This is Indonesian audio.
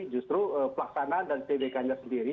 justru pelaksanaan dan tbk nya sendiri